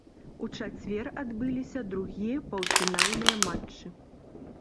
У чацвер адбыліся другія паўфінальныя матчы.